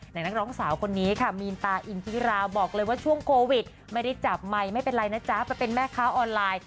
นักร้องสาวคนนี้ค่ะมีนตาอินทิราบอกเลยว่าช่วงโควิดไม่ได้จับไมค์ไม่เป็นไรนะจ๊ะไปเป็นแม่ค้าออนไลน์